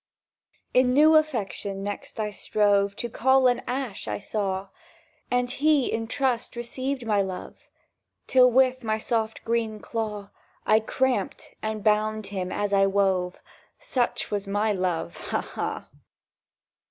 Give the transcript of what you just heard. In new affection next I strove To coll an ash I saw, And he in trust received my love; Till with my soft green claw I cramped and bound him as I wove ... Such was my love: ha ha!